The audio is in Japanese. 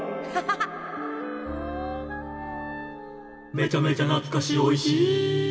「めちゃめちゃなつかしおいしい」